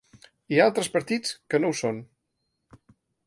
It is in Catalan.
Hi ha altres partits que no ho són.